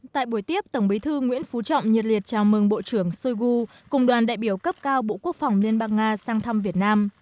tại buổi tiếp tổng bí thư nguyễn phú trọng nhiệt liệt chào mừng bộ trưởng shoigu cùng đoàn đại biểu cấp cao bộ quốc phòng liên bang nga sang thăm việt nam